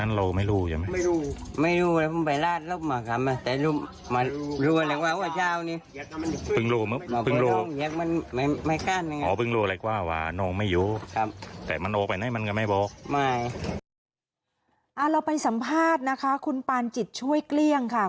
เราไปสัมภาษณ์นะคะคุณปานจิตช่วยเกลี้ยงค่ะ